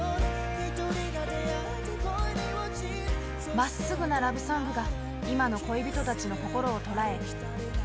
まっすぐなラブソングが今の恋人たちの心をとらえ。